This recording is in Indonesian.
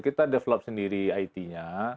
kita develop sendiri it nya